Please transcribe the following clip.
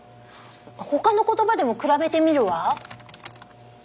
他の言葉でも比べてみるわ。